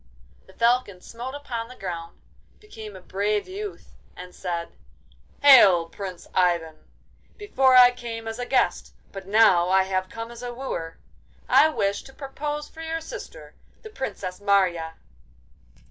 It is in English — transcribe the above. The Falcon smote upon the ground, became a brave youth, and said: 'Hail, Prince Ivan! Before I came as a guest, but now I have come as a wooer! I wish to propose for your sister, the Princess Marya.